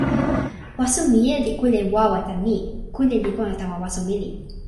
waso mije li kule wawa tan ni: kule li pona tawa waso meli.